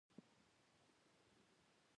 که څه هم د فلورایډ موښلو په څېر اوسنۍ درملنه